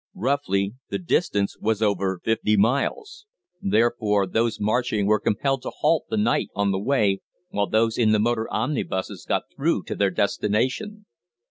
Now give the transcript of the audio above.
Roughly, the distance was over fifty miles, therefore those marching were compelled to halt the night on the way, while those in the motor omnibuses got through to their destination.